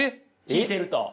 聞いてると。